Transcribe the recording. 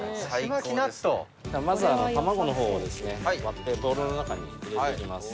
まずは卵のほうを割ってボウルの中に入れて行きます。